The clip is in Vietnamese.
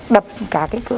đập cả cái cửa